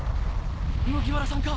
麦わらさんか？